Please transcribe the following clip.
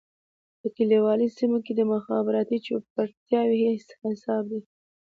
په کليوالي سېمو کې مخابراتي چوپړتياوې په هيڅ حساب دي.